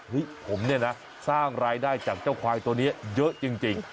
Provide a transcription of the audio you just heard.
ผมเนี่ยนะสร้างรายได้จากเจ้าควายตัวนี้เยอะจริง